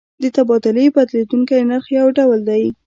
د تبادلې بدلیدونکی نرخ یو ډول دی.